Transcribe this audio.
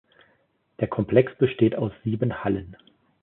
Der Komplex besteht aus sieben Hallen.